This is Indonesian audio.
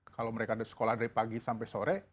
kalau mereka sekolah dari pagi sampai sore